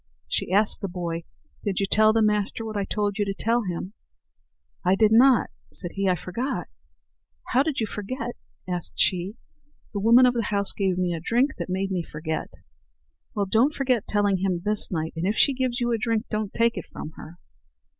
She asked the boy: "Did you tell the master what I told you to tell him?" "I did not," said he; "I forgot." "How did you forget?" asked she. "The woman of the house gave me a drink that made me forget." "Well, don't forget telling him this night; and if she gives you a drink, don't take it from her."